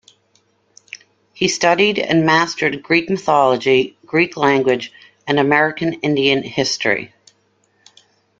He studied and mastered Greek mythology, Greek language, and American Indian history.